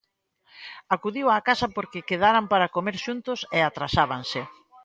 Acudiu á casa porque quedaran para comer xuntos e atrasábanse.